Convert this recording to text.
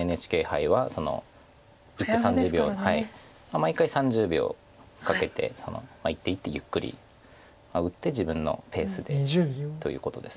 毎回３０秒かけて一手一手ゆっくり打って自分のペースでということです。